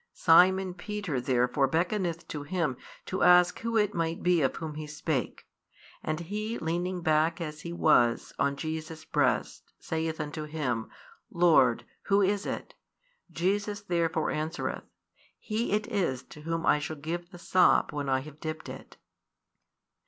Simon Peter therefore beckoneth to him to ask who it might be of whom He spake. And he leaning back, as he was, on Jesus' breast, saith unto Him, Lord, who is it? Jesus therefore answereth, He it is to whom I shall give the sop when I have dipped it.